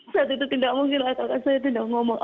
saat itu tidak mungkin lah kakak saya tidak ngomong